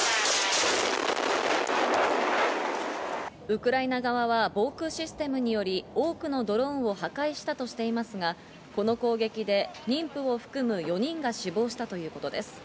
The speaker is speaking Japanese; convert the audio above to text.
ウクライナ側は防空システムにより多くのドローンを破壊したとしていますが、この攻撃で妊婦を含む４人が死亡したということです。